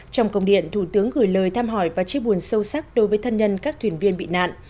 trong công điện thủ tướng gửi lời thăm hỏi và chia buồn sâu sắc đối với thân nhân các thuyền viên bị nạn